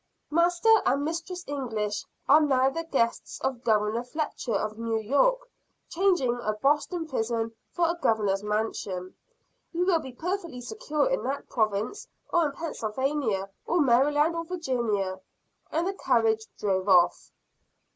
"Master and Mistress English are now the guests of Governor Fletcher of New York changing a Boston prison for a Governor's mansion. You will be perfectly secure in that Province or in Pennsylvania, or Maryland or Virginia." And the carriage drove off.